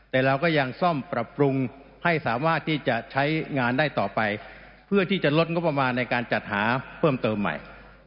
แต่เราก็ยังซ่อมปรับปรุงให้สามารถที่จะใช้งานได้ต่อไปเพื่อที่จะลดงบประมาณในการจัดหาเพิ่มเติมใหม่